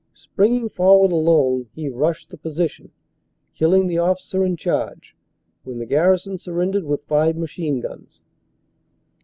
Springing forward alone, he rushed the position, killing the officer in charge, when the garrison surrendered with five machine guns.